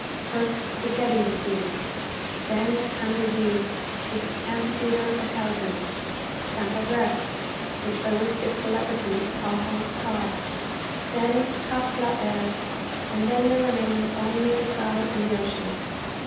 First the jetty receded; then Ingouville, with its amphitheatre of houses; Ste. Addresse, which owes its celebrity to Alphonse Karr; then Cape la Hêve; and then there remained only the sky and the ocean.